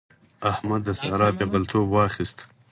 احمد د سارا پېغلتوب واخيست.